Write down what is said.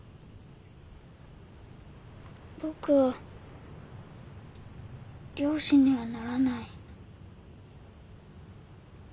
僕は漁師にはならない。